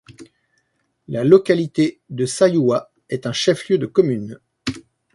La localité de Saïoua est un chef-lieu de commune.